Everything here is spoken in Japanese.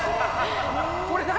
これ何？